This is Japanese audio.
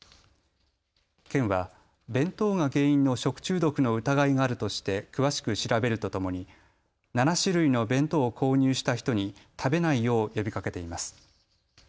県は弁当が原因の食中毒の疑いがあるとして詳しく調べるとともに７種類の弁当を購入した人に食べないよう呼びかけています。